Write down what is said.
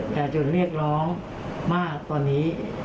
แต่จนเรียกร้องมากตอนนี้